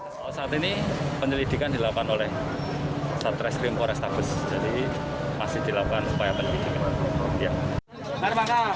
saat ini penyelidikan dilakukan oleh satreskrim porestabes jadi masih dilakukan upaya penyelidikan